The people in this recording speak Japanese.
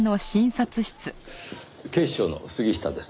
警視庁の杉下です。